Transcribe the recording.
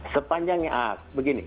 sepanjangnya ah begini